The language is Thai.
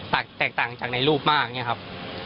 แตกต่างจากในรูปมากเนี่ยครับ